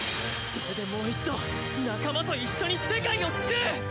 それでもう一度仲間と一緒に世界を救う！